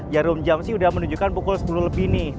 jarum jam sih udah menunjukkan pukul sepuluh lebih nih